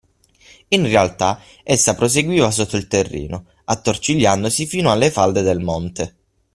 in realtà, essa proseguiva sotto il terreno, attorcigliandosi fino alle falde del monte